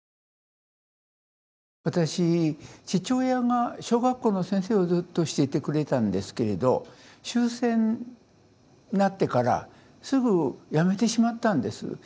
私父親が小学校の先生をずっとしていてくれてたんですけれど終戦になってからすぐ辞めてしまったんです。